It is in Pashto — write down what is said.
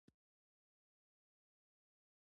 وئ ! تر تامي جار کړې